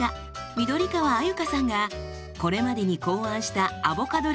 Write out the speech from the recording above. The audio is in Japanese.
緑川鮎香さんがこれまでに考案したアボカドレシピ